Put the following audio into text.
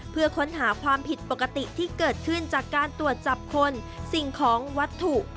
เพื่อค้นหาความผิดปกติที่เกิดขึ้นจากการตรวจจับคนสิ่งของวัตถุ